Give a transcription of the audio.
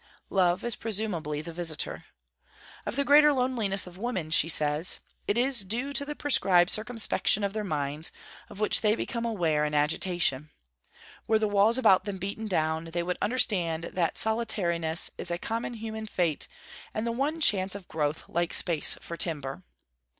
Love is presumably the visitor. Of the greater loneliness of women, she says: 'It is due to the prescribed circumscription of their minds, of which they become aware in agitation. Were the walls about them beaten down, they would understand that solitariness is a common human fate and the one chance of growth, like space for timber.'